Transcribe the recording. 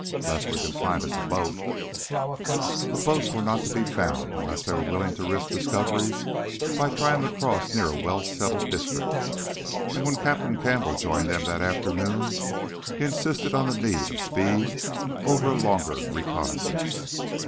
'Less we can find us a boat." But boats were not to be found, unless they were willing to risk discovery by trying to cross near a well settled district. And when Captain Campbell joined them that afternoon he insisted on the need of speed over a longer reconnaissance.